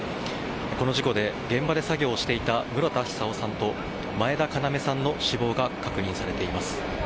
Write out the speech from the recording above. この事故で現場で作業をしていた室田久生さんと前田要さんの死亡が確認されています。